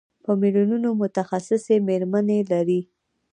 په میلیونونو متخصصې مېرمنې لري.